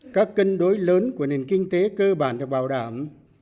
các cân đối lớn của nền kinh tế cơ bản được bảo đảm